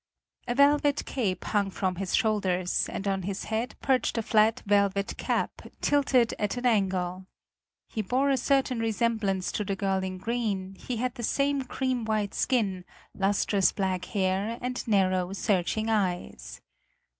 A velvet cape hung from his shoulders, and on his head perched a flat velvet cap, tilted at an angle. He bore a certain resemblance to the girl in green; he had the same cream white skin, lustrous black hair, and narrow, searching eyes.